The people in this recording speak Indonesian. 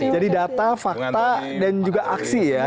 jadi data fakta dan juga aksi ya